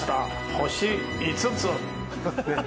星５つ！